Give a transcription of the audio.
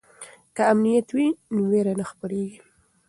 که امنیت وي نو ویره نه خپریږي.